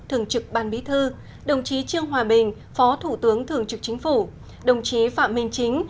thường trực ban bí thư đồng chí trương hòa bình phó thủ tướng thường trực chính phủ đồng chí phạm minh chính